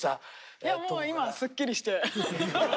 いやもう今はすっきりして。